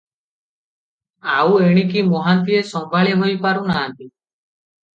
ଆଉ ଏଣିକି ମହାନ୍ତିଏ ସମ୍ଭାଳି ହୋଇ ପାରୁ ନାହାନ୍ତି ।